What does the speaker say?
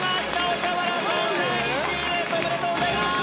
おめでとうございます！